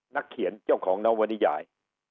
นักเขียนเจ้าของนวนิยาย